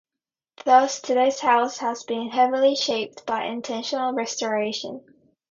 Thus today's house has been heavily shaped by intentional restoration.